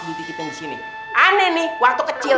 butik butiknya disini aneh nih waktu kecil